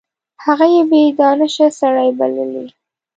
هغه یې بې دانشه سړی بللی.